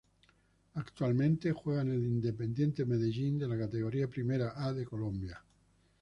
Actualmente juega en el Independiente Medellín de la Categoría Primera A de Colombia.